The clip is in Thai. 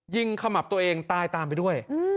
ขมับตัวเองตายตามไปด้วย